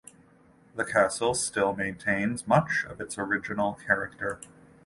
The castle still maintains much of its original character.